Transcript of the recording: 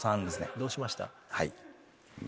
どうしました？